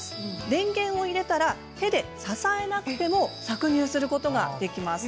電源を入れたら手で支えなくても搾乳することができます。